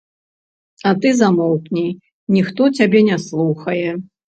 А ты замоўкні, ніхто цябе не слухае.